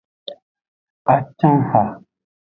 Acanha.